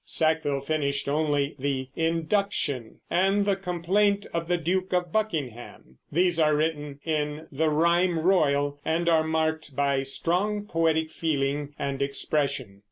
Sackville finished only the "Induction" and the "Complaint of the Duke of Buckingham." These are written in the rime royal, and are marked by strong poetic feeling and expression.